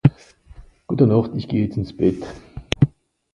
Gutnacht isch geh jetzt ins Bett